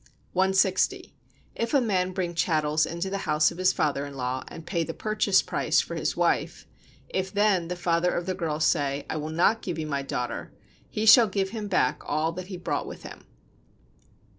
160. If a man bring chattels into the house of his father in law, and pay the "purchase price" [for his wife]: if then the father of the girl say: "I will not give you my daughter," he shall give him back all that he brought with him.